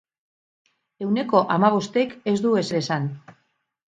Ehuneko hamabostek ez du ezer esan.